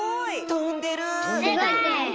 とんでる！